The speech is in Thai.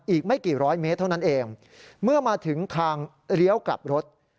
อีกไม่กี่ร้อยเมตรเท่านั้นเองเมื่อมาถึงทางเลี้ยวกลับรถ